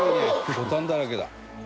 ボタンだらけだ」